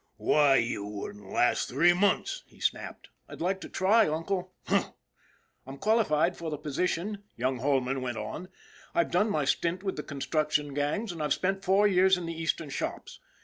" Why, you wouldn't last three months !" he snapped. " I'd like to try, uncle." " Humph !"" I'm qualified for the position," young Holman went on. " I've done my stint with the construction gangs and I've spent four years in the Eastern shops.